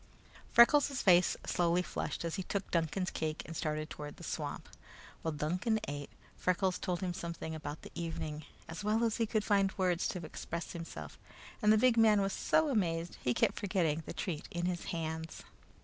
Freckles' face slowly flushed as he took Duncan's cake and started toward the swamp. While Duncan ate, Freckles told him something about the evening, as well as he could find words to express himself, and the big man was so amazed he kept forgetting the treat in his hands.